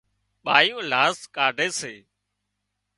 ٻايُون لاز ڪاڍي سي